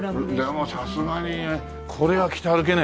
でもさすがにこれは着て歩けねえな。